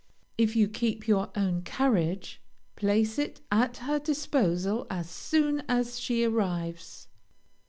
If you keep your own carriage, place it at her disposal as soon as she arrives.